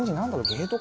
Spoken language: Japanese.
ゲート？